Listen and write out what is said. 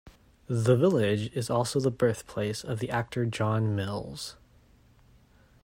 The village is also the birthplace of the actor John Mills.